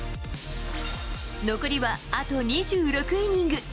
残りはあと２６イニング。